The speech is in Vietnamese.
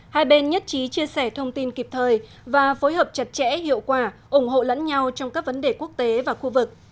hai bên nhất trí chia sẻ thông tin kịp thời và phối hợp chặt chẽ hiệu quả ủng hộ lẫn nhau trong các vấn đề quốc tế và khu vực